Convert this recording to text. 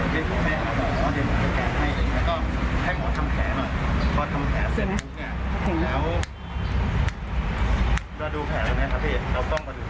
ดูแผนนี่นะคะพี่เอากล้องไปดูนะใกล้